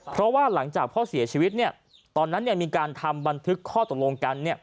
เพราะว่าหลังจากพ่อเสียชีวิตตอนนั้นมีการทำบันทึกข้อตกลงกัน